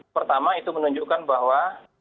pertama itu menunjukkan bahwa